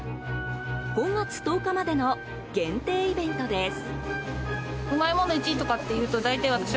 ５月１０日までの限定イベントです。